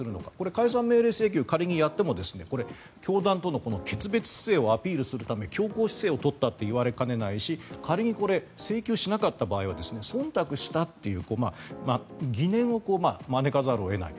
解散命令請求、仮にやっても教団との決別性をアピールするため強硬姿勢を取ったといわれかねないし仮に請求しなかった場合はそんたくしたという疑念を招かざるを得ない。